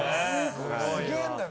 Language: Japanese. すげえんだな。